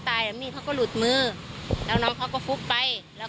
ตายแบบนี้เขาก็หลุดมือแล้วน้องเขาก็ฟุกไปแล้ว